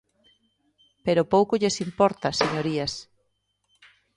Pero pouco lles importa, señorías.